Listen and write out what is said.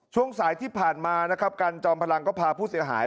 ช่วงสายที่ผ่านมานะครับกันจอมพลังก็พาผู้เสียหาย